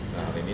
nah hari ini